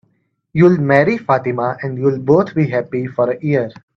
You'll marry Fatima, and you'll both be happy for a year.